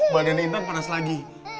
badan intan panas lagi